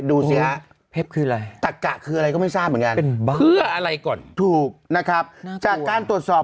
ดูเสียตักกะคืออะไรก็ไม่ทราบเหมือนกันถูกนะครับจากการตรวจสอบ